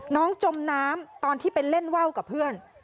น้องจมน้ำตอนที่เป็นเล่นเว้ากับเพื่อน